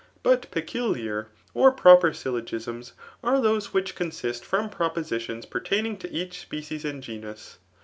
But peculiar or proper syllogisms tre those which consist from propositions pertaining to «ich species and genus.